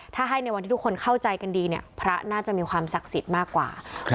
ถ้าให้ในวันที่ทุกคนเข้าใจกันดีเนี่ยพระน่าจะมีความศักดิ์สิทธิ์มากกว่า